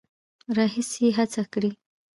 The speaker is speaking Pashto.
راهیسې هڅه کړې